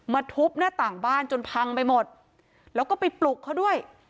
ทุบหน้าต่างบ้านจนพังไปหมดแล้วก็ไปปลุกเขาด้วย